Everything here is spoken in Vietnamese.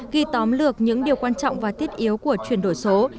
ghi tóm lược những điều quan trọng và thiết yếu của chuyển đổi số